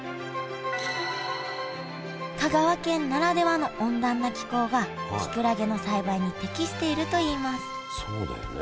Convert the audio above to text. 香川県ならではの温暖な気候がきくらげの栽培に適しているといいますそうだよね。